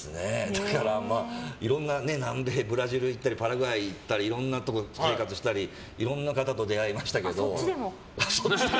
だから、いろんな南米ブラジルに行ったりパラグアイ行ったりいろんなところで生活したりいろんな方と出会いましたけど。